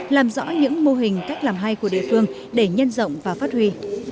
làm rõ những mô hình cách làm hay của địa phương để nhân rộng và phát huy